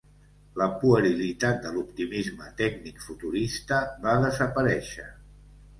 La puerilitat de l'optimisme tècnic futurista va desaparèixer.